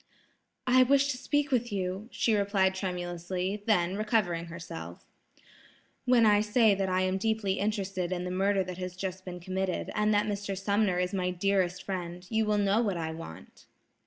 "I wish to speak with you," she replied tremulously; then, recovering herself: "When I say that I am deeply interested in the murder that has just been committed, and that Mr. Sumner is my dearest friend, you will know what I want."